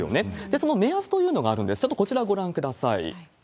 その目安というのがあるので、ちょっとこちらご覧ください。